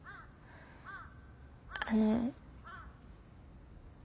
あの。